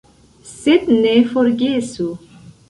Sed ne forgesu!